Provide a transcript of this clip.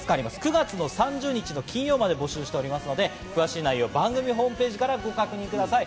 ９月３０日の金曜日まで募集しておりますので詳しい内容は番組ホームページからご確認ください。